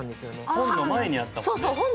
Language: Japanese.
本の前にあったもんね